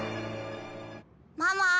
ママ。